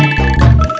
yang dulu nyiksa kita